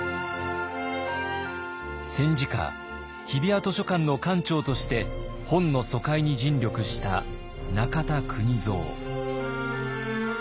戦時下日比谷図書館の館長として本の疎開に尽力した中田邦造。